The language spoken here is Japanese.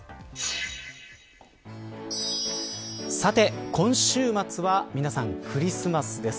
さて今週末は皆さん、クリスマスです。